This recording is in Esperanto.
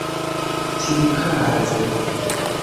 tiukaze